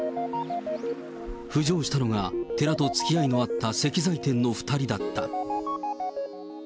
浮上したのが寺とつきあいのあった石材店の２人だった。